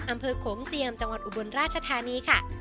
โขงเจียมจังหวัดอุบลราชธานีค่ะ